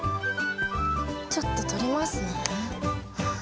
ちょっととりますね。